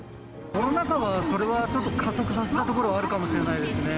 コロナ禍はそれはちょっと、加速させたところもあるかもしれないですね。